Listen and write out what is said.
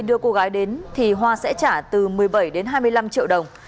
đưa cô gái đến thì hoa sẽ trả từ một mươi bảy đến hai mươi năm triệu đồng